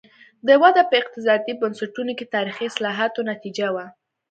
دا وده په اقتصادي بنسټونو کې تاریخي اصلاحاتو نتیجه وه.